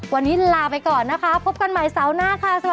วันนี้ลาไปก่อนนะคะพบกันใหม่เสาร์หน้าค่ะสวัสดี